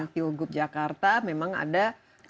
kilgup jakarta memang ada